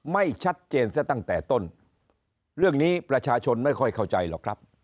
ไม่ชัดเจนซะตั้งแต่ต้นเรื่องนี้ประชาชนไม่ค่อยเข้าใจหรอกครับ